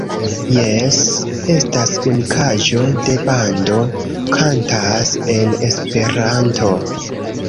Jes, estas unikaĵo se bando kantas en Esperanto.